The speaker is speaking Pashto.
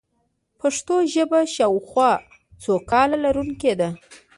پښتو ژبه شاوخوا څو کاله لرونکې ده.